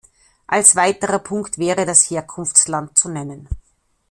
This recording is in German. Als weiterer Punkt wäre das Herkunftsland zu nennen.